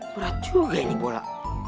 berat juga ini bola